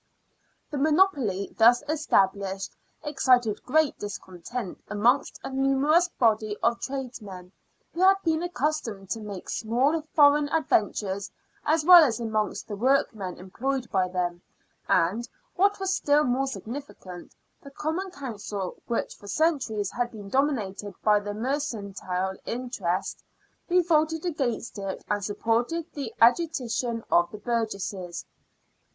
The monoply thus established excited great discontent amongst a numerous body of tradesmen who had been accustomed to make small foreign adventures, as well as amongst the workmen employed by them ; and, what was still more significant, the Common Council, which for centuries had been dominated by the mercantile interest, revolted against it, and supported the agitation of the burgesses.